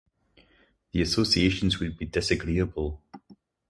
The associations would be disagreeable.